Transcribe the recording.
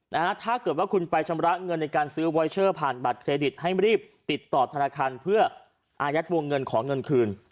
ถ้าเกิดว่าคุณไปชำระเงินในการซื้อวอยเชอร์ผ่านบัตรเครดิตให้รีบติดต่อธนาคารเพื่ออายัดวงเงินขอเงินคืน